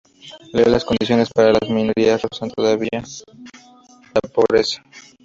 Lee, las condiciones para las minorías rozan todavía la pobreza.